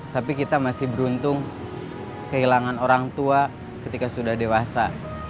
tapi kita masih beruntung kehilangan orang tua ketika sudah dewasa